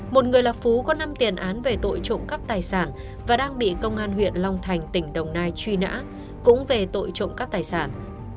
một người là phú có năm tiền án về tội trộm cắp tài sản và đang bị công an huyện long thành tỉnh đồng nai truy nã cũng về tội trộm cắp tài sản